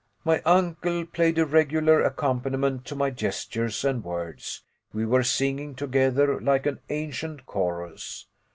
My uncle played a regular accompaniment to my gestures and words. We were singing together like an ancient chorus.